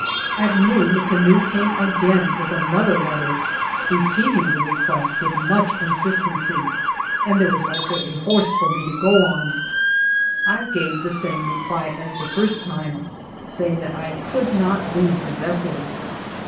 At noon the canoe came again with an other letter, repeating the request with much insistency, and there was also a horse for me to go on. I gave the same reply as the first time, saying that I could not leave the vessels.